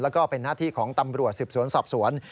แล้วก็เป็นหน้าที่ของตำรวจสืบสวนสอบสวน